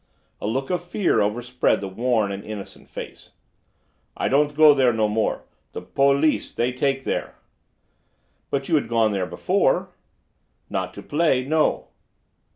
A look of fear overspread the worn and innocent face. "I don't go there no more. The po lice, they take there." "But you had gone there before?" "Not to play; no."